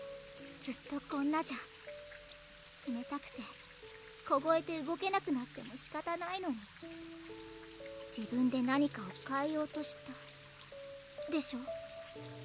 ずっとこんなじゃつめたくてこごえて動けなくなってもしかたないのに自分で何かをかえようとしたでしょ？